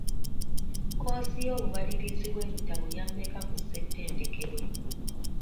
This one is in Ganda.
Kkoosi y'obubalirirzi bw'ebitabo ya mmeka ku ssettendekero?